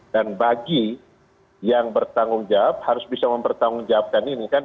dan bagi yang bertanggung jawab harus bisa mempertanggung jawabkan ini kan